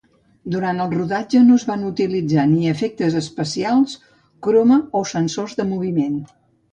Durant el rodatge, no es van utilitzar ni efectes especials, croma o sensors de moviment.